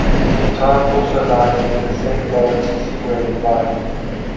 The town also lies near the Saint Lawrence Seaway Divide.